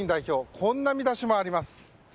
こんな見出しもあります。